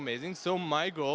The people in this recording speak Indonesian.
jadi tujuan saya adalah